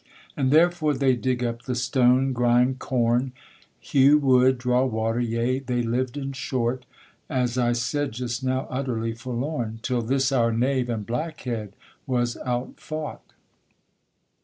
And therefore they dig up the stone, grind corn, Hew wood, draw water, yea, they lived, in short, As I said just now, utterly forlorn, Till this our knave and blackhead was out fought.